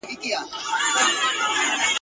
خیال مي ځي تر ماشومتوبه د مُلا تر تاندي لښتي !.